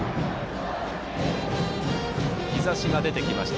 日ざしが出てきました。